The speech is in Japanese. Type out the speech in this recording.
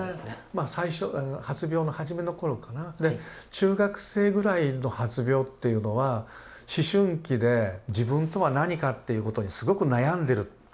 まあ最初発病の初めの頃かなで中学生ぐらいの発病っていうのは思春期で自分とは何かっていうことにすごく悩んでる。